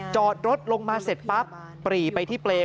จอดรถลงมาเสร็จปั๊บปรีไปที่เปรย